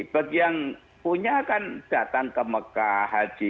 bagian punya kan datang ke mekah haji